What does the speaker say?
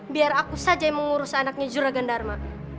biar aku saja yang mengurus anaknya juragan dharma